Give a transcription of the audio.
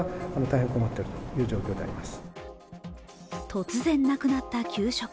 突然なくなった給食。